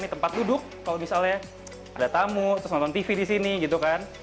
di tempat duduk kalau misalnya ada tamu terus nonton tv di sini gitu kan